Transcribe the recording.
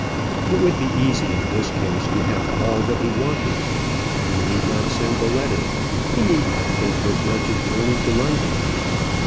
It would be easy in this case to have all that he wanted. He need not send the letter. He need not take this wretched journey to London.